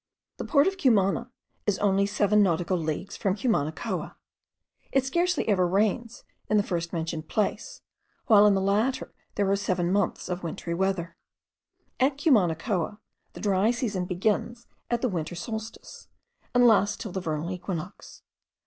The port of Cumana is only seven nautical leagues from Cumanacoa. It scarcely ever rains in the first mentioned place, while in the latter there are seven months of wintry weather. At Cumanacoa, the dry season begins at the winter solstice, and lasts till the vernal equinox.